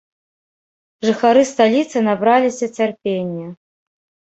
Жыхары сталіцы набраліся цярпення.